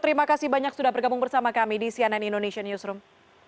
terima kasih banyak sudah bergabung bersama kami di cnn indonesian newsroom